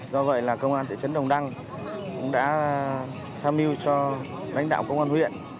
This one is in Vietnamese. do vậy công an tỉnh đồng đăng đã tham mưu cho lãnh đạo công an huyện